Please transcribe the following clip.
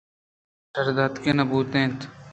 کہ تنیگہ شردرآرگ نہ بُوتگ اَت